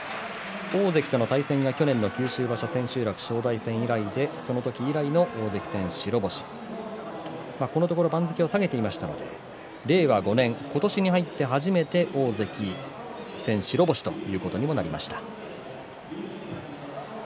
大関の対戦が去年の九州場所大関正代戦以来でその時以来の大関戦白星このところ番付を下げていましたので令和５年今年入って初めて大関戦白星ということにもなりました。